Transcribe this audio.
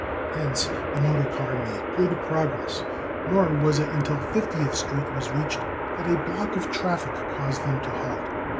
Hence the motor car made good progress, nor was it until Fiftieth Street was reached that a block of traffic caused them to halt.